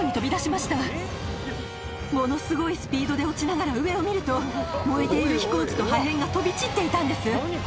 ものすごいスピードで落ちながら上を見ると燃えている飛行機の破片が飛び散っていたんです。